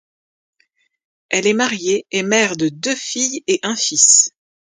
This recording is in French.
Elle est mariée et mère de deux filles et un fils.